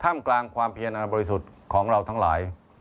ท่ามกลางความเพี้ยหนังบริสุทธิ์